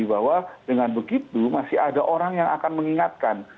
bahwa dengan begitu masih ada orang yang akan mengingatkan